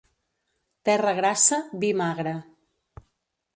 Terra grassa, vi magre.